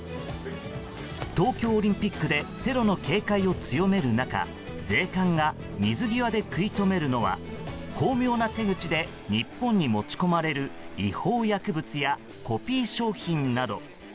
東京オリンピックでテロの警戒を強める中税関が水際で食い止めるのは巧妙な手口で日本に持ち込まれる違法薬物やコピー商品など。